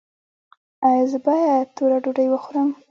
ایا زه باید توره ډوډۍ وخورم؟